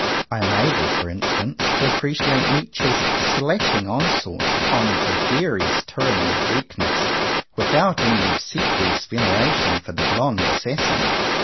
I am able, for instance, to appre ciate Nietzsche's slashing onslaughts upon the gregarious tyranny of weakness, without any obsequious veneration for the blond assassin.